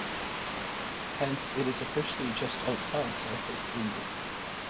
Hence, it is officially just outside South Lake Union.